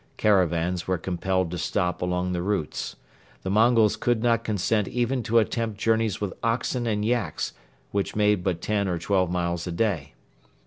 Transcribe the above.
Caravans were compelled to stop along the routes. The Mongols would not consent even to attempt journeys with oxen and yaks which made but ten or twelve miles a day.